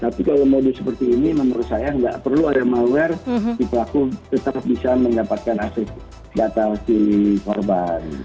tapi kalau modis seperti ini menurut saya tidak perlu ada malware kita tetap bisa mendapatkan aset data si korban